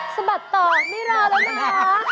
สะบัดต่อไม่รอแล้วนะคะ